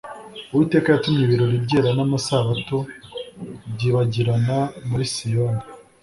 Uwiteka yatumye ibirori byera n’amasabato byibagirana muri Siyoni,